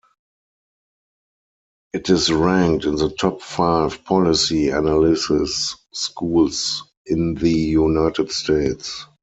It is ranked in the top five policy analysis schools in the United States.